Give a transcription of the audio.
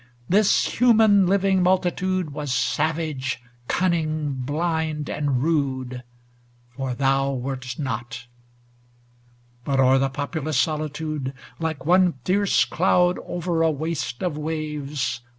This human living multitude Was savage, cunning, blind, and rude. For thou wert not; but o'er the populous solitude, Like one fierce cloud over a waste of waves.